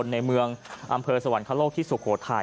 ในเมืองอำเภอสวรรคโลกที่สุโขทัย